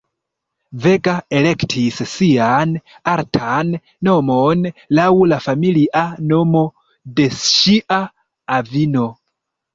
Vega elektis sian artan nomon laŭ la familia nomo de ŝia avino.